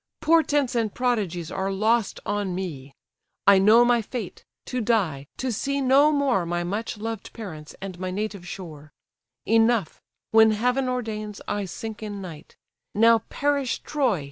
Portents and prodigies are lost on me. I know my fate: to die, to see no more My much loved parents, and my native shore— Enough—when heaven ordains, I sink in night: Now perish Troy!"